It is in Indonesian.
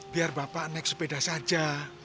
biar bapak naik sepeda saja